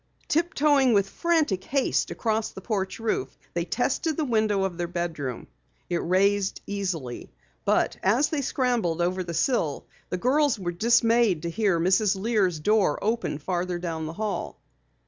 Tiptoeing with frantic haste across the porch roof, they tested the window of their bedroom. It raised easily. But as they scrambled over the sill, the girls were dismayed to hear Mrs. Lear's door open farther down the hall.